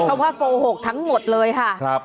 เพราะว่าโกหกทั้งหมดเลยค่ะ